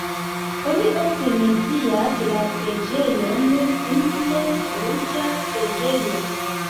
Oni ofte mencias la preĝejon simple "ruĝa preĝejo".